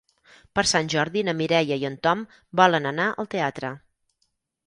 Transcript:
Per Sant Jordi na Mireia i en Tom volen anar al teatre.